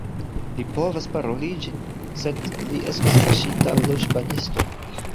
Li povas paroli ĝin, sed li estas kaŝita loĵbanisto